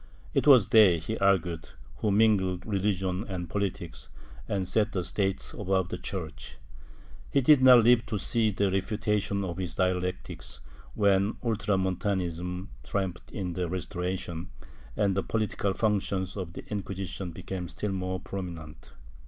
It was they, he argued who mingled religion and politics, and set the State above the Church.^ He did not live to see the refutation of his dialectics, when Fltramontanism triumphed in the Restoration, and the political functions of the Inquisition became still more prominent.